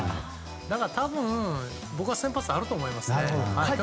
だから、多分僕は先発あると思いますね。